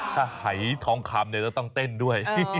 ถ้าหายทองคำจะต้องเต้นด้วย